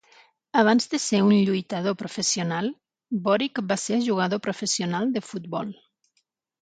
Abans de ser un lluitador professional, Boric va ser jugador professional de futbol.